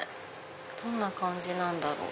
どんな感じなんだろう？